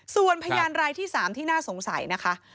ส่วนพยานรายที่๓ที่น่าสงสัยนะคะ